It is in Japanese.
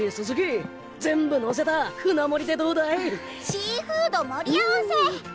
シーフード盛り合わせ！